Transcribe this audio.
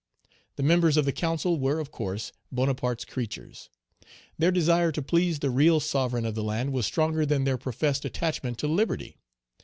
The members of the council were, of course, Bonaparte's creatures. Their desire to please the real sovereign of the land was stronger than their professed attachment to liberty.